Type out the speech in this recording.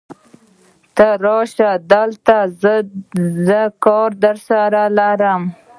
ته راشه دلته، زه کار درسره لرم.